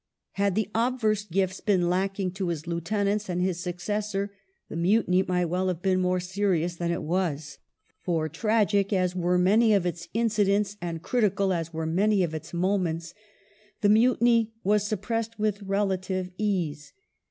Had the obverse gifts been lacking to his lieutenants and his successor the Mutiny might well have been more serious than it was. For, tragic as were many of its incidents, and critical as were many of its mo ments, the Mutiny was suppressed with relative ease.